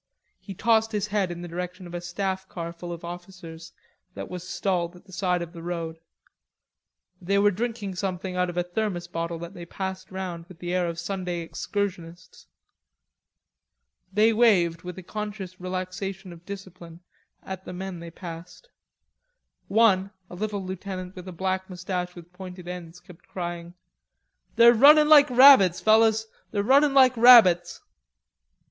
He tossed his head in the direction of a staff car full of officers that was stalled at the side of the road. They were drinking something out of a thermos bottle that they passed round with the air of Sunday excursionists. They waved, with a conscious relaxation of discipline, at the men as they passed. One, a little lieutenant with a black mustache with pointed ends, kept crying: "They're running like rabbits, fellers; they're running like rabbits."